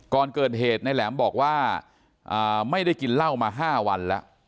ก่อนเกิดเหตุในแหลมบอกว่าไม่ได้กินเหล้ามา๕วันแล้ว